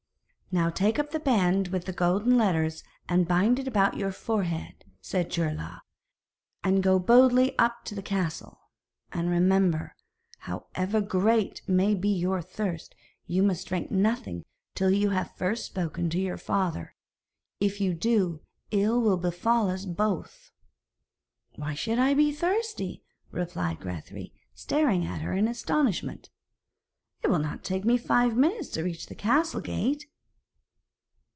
'Now take up the band with the golden letters and bind it about your forehead,' said Geirlaug, 'and go boldly up to the castle. And, remember, however great may be your thirst, you must drink nothing till you have first spoken to your father. If you do, ill will befall us both.' 'Why should I be thirsty?' replied Grethari, staring at her in astonishment. 'It will not take me five minutes to reach the castle gate.'